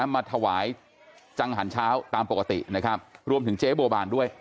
มาถวายจังหันเช้าตามปกตินะครับรวมถึงเจ๊บัวบานด้วย